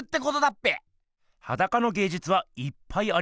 っぺ⁉はだかのげいじゅつはいっぱいありますよね。